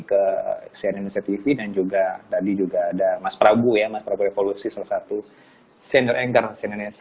ke sian indonesia tv dan juga tadi juga ada mas prabu ya mas prabu revolusi salah satu senior anchor cnn indonesia